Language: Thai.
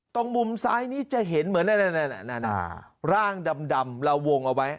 ตรงมุมซ้ายนี้จะเห็นเหมือนร่างดำเราวงเอาไว้